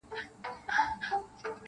تش په نامه یې د اشرف المخلوقات نه منم-